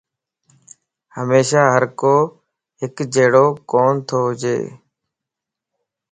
ھميشا ھر ڪو ھڪ جھڙوڪو توھونج